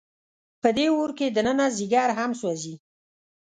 په دې اور کې دننه ځیګر هم سوځي.